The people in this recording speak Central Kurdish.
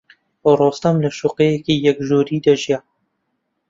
ڕۆستەم لە شوقەیەکی یەک ژووری دەژیا.